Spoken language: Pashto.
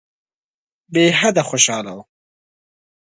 بېحده خوشاله وو.